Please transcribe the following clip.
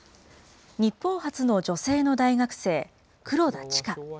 日本初の女性の大学生、黒田チカ。